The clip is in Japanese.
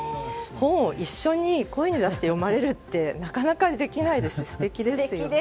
本を一緒に声に出して読まれるってなかなかできないですし素敵ですよね。